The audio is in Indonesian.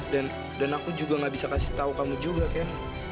dan dan aku juga gak bisa kasih tau kamu juga ken